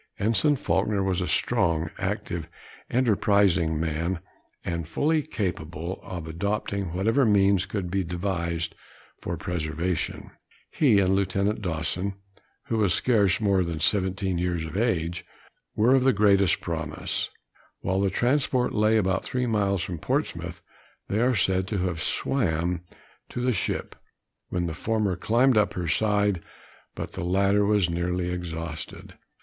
Ensign Faulkner was a strong, active, enterprising man, and fully capable of adopting whatever means could be devised for preservation. Both he and Lieutenant Dawson, who was scarce more than 17 years of age, were of the greatest promise. While the transport lay about three miles from Portsmouth, they are said to have swam to the ship, when the former climbed up her side, but the latter was nearly exhausted.